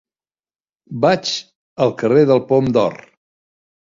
Vaig al carrer del Pom d'Or.